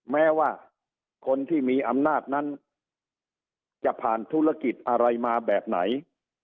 แม้ว่าคนที่มีอำนาจนั้นจะผ่านธุรกิจอะไรมาแบบไหน